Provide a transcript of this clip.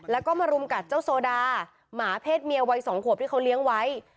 แล้วก็มารุมกัดเจ้าโซดาหมาเพศเมียวัยสองขวบที่เขาเลี้ยงไว้